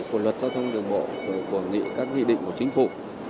của luật giao thông đường mộ của quản lý các quy định của chính phủ